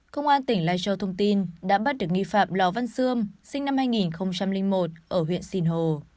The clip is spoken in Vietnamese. công an tỉnh lai châu thông tin đã bắt được nghi phạm lò văn xương sinh năm hai nghìn một ở huyện sìn hồ